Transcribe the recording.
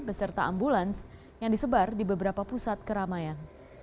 beserta ambulans yang disebar di beberapa pusat keramaian